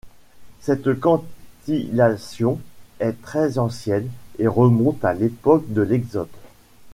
Cette cantilation est très ancienne et remonte à l'époque de l’Exode.